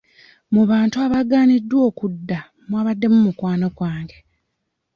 Mu bantu abaaganiddwa okudda mwabaddemu mukwano gwange.